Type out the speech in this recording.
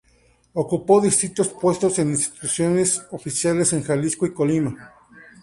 Ocupó distintos puestos en instituciones oficiales en Jalisco y Colima.